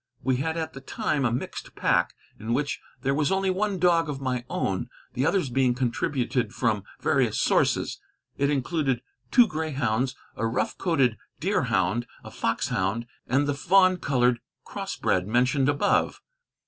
We had at the time a mixed pack, in which there was only one dog of my own, the others being contributed from various sources. It included two greyhounds, a rough coated deerhound, a foxhound, and the fawn colored crossbred mentioned above.